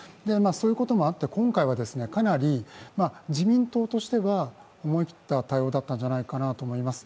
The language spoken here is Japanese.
そういうこともあって、今回はかなり自民党としては思い切った対応だったんじゃないかと思います。